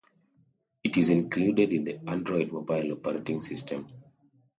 It is included in the Android mobile operating system.